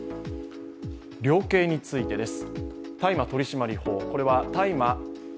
量刑についてです。